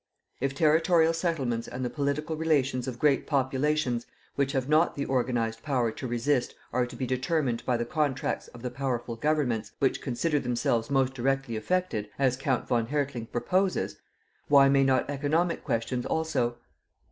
If territorial settlements and the political relations of great populations which have not the organized power to resist are to be determined by the contracts of the powerful governments which consider themselves most directly affected, as Count von Hertling proposes, why may not economic questions also?